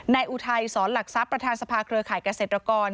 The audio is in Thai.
อุทัยสอนหลักทรัพย์ประธานสภาเครือข่ายเกษตรกร